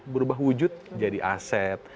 berubah wujud jadi aset